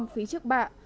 năm mươi phí trước bạ